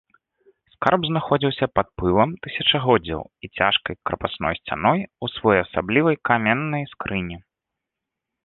Скарб знаходзіўся пад пылам тысячагоддзяў і цяжкай крапасной сцяной у своеасаблівай каменнай скрыні.